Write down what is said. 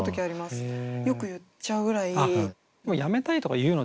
よく言っちゃうぐらい。